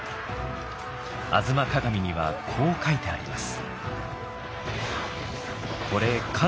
「吾妻鏡」にはこう書いてあります。